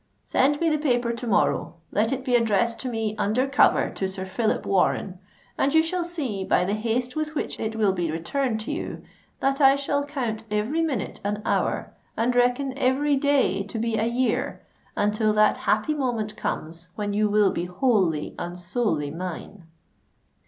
Send me the paper to morrow—let it be addressed to me under cover to Sir Phillip Warren;—and you shall see by the haste with which it will be returned to you, that I shall count every minute an hour, and reckon every day to be a year, until that happy moment comes when you will be wholly and solely mine."